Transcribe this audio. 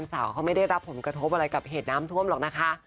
สาวเขาไม่ได้รับผลกระทบอะไรกับเหตุน้ำท่วมหรอกนะคะ